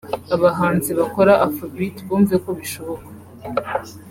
”Abahanzi bakora afro beat bumve ko bishoboka